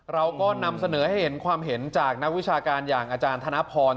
เราก็นำเสนอให้เห็นความเห็นจากนักวิชาการอย่างอาจารย์ธนพร